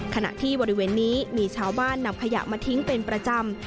ขณะที่บริเวณนี้มีชาวบ้านนำขยะมาทิ้งเป็นประจำ